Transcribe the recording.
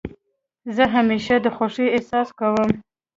زه همېشه د خوښۍ احساس کوم.